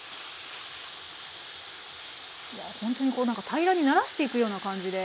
ほんとにこう何か平らにならしていくような感じで。